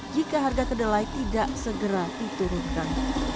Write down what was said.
jika harga kedelai tidak segera diturunkan